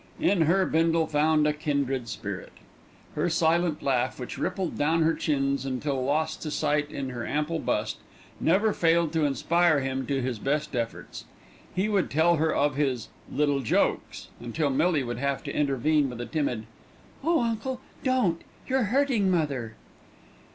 In her Bindle found a kindred spirit. Her silent laugh, which rippled down her chins until lost to sight in her ample bust, never failed to inspire him to his best efforts. He would tell her of his "little jokes" until Millie would have to intervene with a timid: "Oh, uncle, don't! You're hurting mother!"